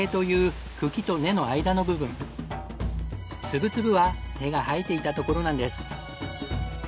粒々は根が生えていたところなんです。